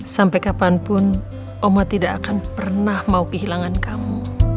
sampai kapanpun oma tidak akan pernah mau kehilangan kamu